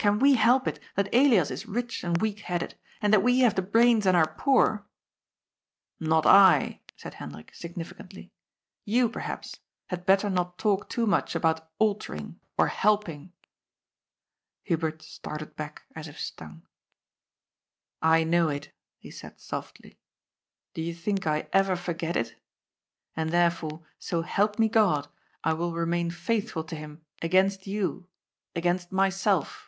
Can we help it that Elias is rich and weak headed, and that we haye the brains and are poor?" " Not I," said Hendrik significantly. " You, perhaps, had better not talk too much about altering or helping." Hubert started back, as if stung. ^* I know it," he said softly. ^^ Do you think I ever forget it ? And therefore, so help me God ! I will remain faithful to him against you, against myself."